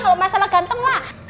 kalau masalah ganteng lah